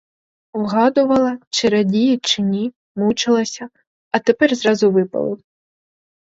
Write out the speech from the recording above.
Вгадувала — чи радіє чи ні, мучилася, а тепер зразу випалив.